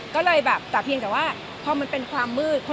ก็เลยแบบแต่เพียงแต่ว่าพอมันเป็นความมืด